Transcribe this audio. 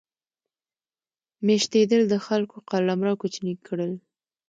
میشتېدل د خلکو قلمرو کوچني کړل.